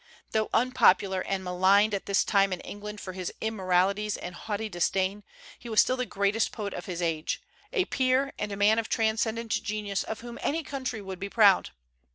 Though unpopular and maligned at this time in England for his immoralities and haughty disdain, he was still the greatest poet of his age, a peer, and a man of transcendent genius of whom any country would be proud.